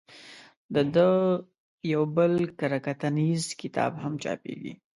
د ده یو بل کره کتنیز کتاب هم چاپېږي.